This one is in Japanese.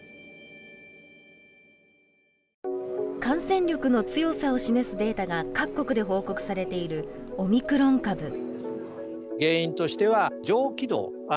感染力の強さを示すデータが各国で報告されているオミクロン株。